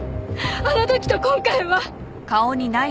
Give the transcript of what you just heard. あの時と今回は！